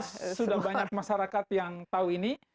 sudah banyak masyarakat yang tahu ini